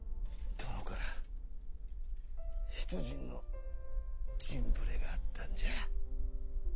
殿から出陣の陣触れがあったんじゃ。